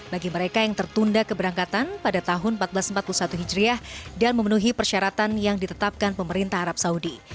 bagi mereka yang tertunda keberangkatan pada tahun seribu empat ratus empat puluh satu hijriah dan memenuhi persyaratan yang ditetapkan pemerintah arab saudi